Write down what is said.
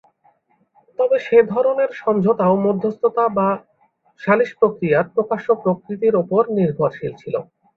তবে সে ধরনের সমঝোতাও মধ্যস্থতা বা সালিশ প্রক্রিয়ার প্রকাশ্য প্রকৃতির ওপর নির্ভরশীল ছিল।